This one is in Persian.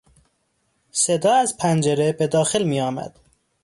صدا از پنجره به داخل میآمد.